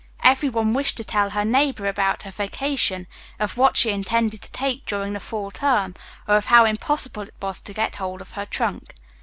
Everyone wished to tell her neighbor about her vacation, of what she intended to take during the fall term, or of how impossible it was to get hold of her trunk.